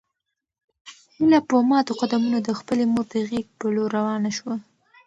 هیله په ماتو قدمونو د خپلې مور د غږ په لور روانه شوه.